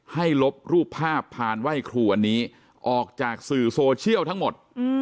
ลบรูปภาพพานไหว้ครูอันนี้ออกจากสื่อโซเชียลทั้งหมด